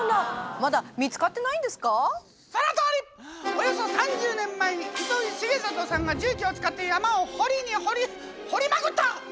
およそ３０年前に糸井重里さんが重機を使って山を掘りに掘り掘りまくった！